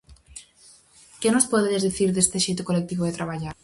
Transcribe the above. Que nos podedes dicir deste xeito colectivo de traballar?